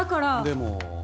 でも